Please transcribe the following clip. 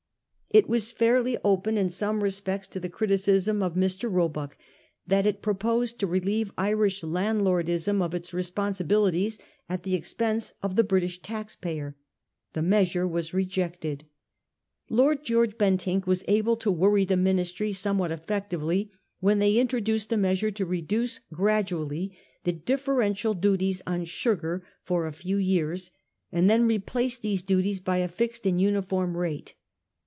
It was. fairly 426 A HISTORY OF OUR OWN TIMES. oh. ivii. open in some respects to the criticism of Mr. Roe buck that it proposed to relieve Irish landlordism of its responsibilities at the expense of the British taxpayer. The measure was rejected. Lord George Bentinck was able to worry the Ministry somewhat effectively when they introduced a measure to reduce gradually the differential duties on sugar for a few years, and then replace these duties by a fixed and uniform rate.